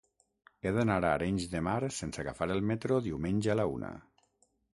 He d'anar a Arenys de Mar sense agafar el metro diumenge a la una.